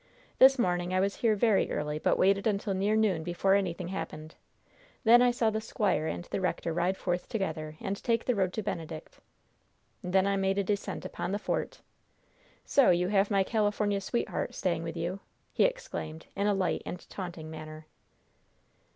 This morning I was here very early, but waited until near noon before anything happened! Then I saw the squire and the rector ride forth together and take the road to Benedict. Then I made a descent upon the fort. So you have my Californian sweetheart staying with you?" he exclaimed, in a light and taunting manner.